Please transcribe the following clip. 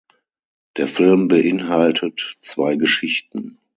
Der Film beinhaltet zwei Geschichten.